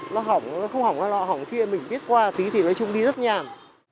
nó hỏng nó không hỏng hoa hỏng kia mình biết qua tí thì nói chung đi rất nhàn